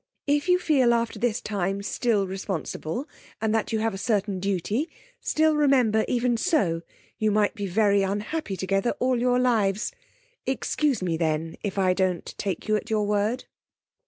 If you feel after this time still responsible, and that you have a certain duty, still remember, even so, you might be very unhappy together all your lives. Excuse me, then, if I don't take you at your word.